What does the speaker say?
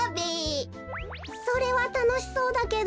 それはたのしそうだけど。